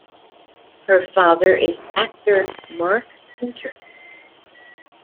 Her father is actor Mark Pinter.